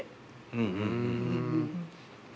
うん。